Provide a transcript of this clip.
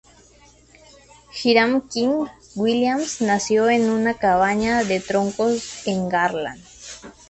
Hiram King Williams nació en una cabaña de troncos en Garland.